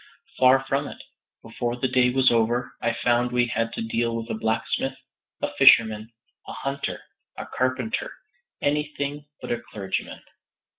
Far from it. Before the day was over, I found we had to deal with a blacksmith, a fisherman, a hunter, a carpenter, anything but a clergyman.